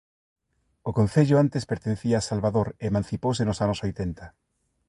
O concello antes pertencía a Salvador e emancipouse nos anos oitenta.